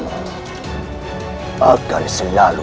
oleh karena aku